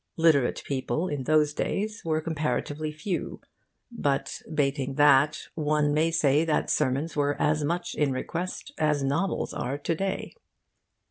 Literate people in those days were comparatively few; but, bating that, one may say that sermons were as much in request as novels are to day.